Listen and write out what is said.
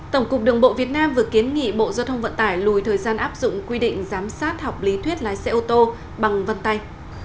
tổng cục đường bộ việt nam vừa kiến nghị bộ giao thông vận tải lùi thời gian áp dụng quy định giám sát học lý thuyết lái xe ô tô bằng vân tay